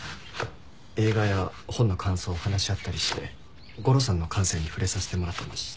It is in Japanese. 映画や本の感想を話し合ったりしてゴロさんの感性に触れさせてもらってました。